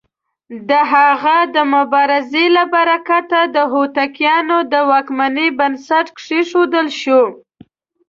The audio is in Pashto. د هغه د مبارزې له برکته د هوتکيانو د واکمنۍ بنسټ کېښودل شو.